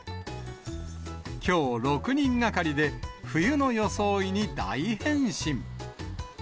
きょう、６人がかりで冬の装いに大変身。